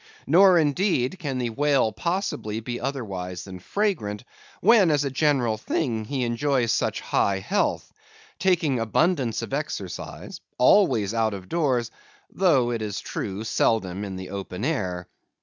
Nor indeed can the whale possibly be otherwise than fragrant, when, as a general thing, he enjoys such high health; taking abundance of exercise; always out of doors; though, it is true, seldom in the open air.